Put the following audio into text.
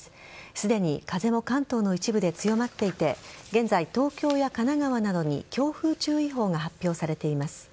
すでに風も関東の一部で強まっていて現在、東京や神奈川などに強風注意報が発表されています。